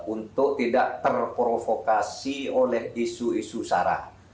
untuk tidak terprovokasi oleh isu isu sara